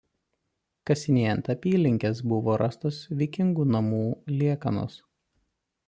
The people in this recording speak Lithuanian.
Kasinėjant apylinkes buvo rastos vikingų namų liekanos.